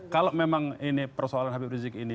kalau memang ini persoalan habib rizik ini